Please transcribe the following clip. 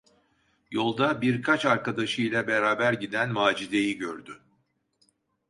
Yolda birkaç arkadaşıyla beraber giden Macide’yi gördü.